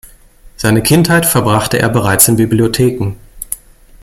Seine Kindheit verbrachte er bereits in Bibliotheken.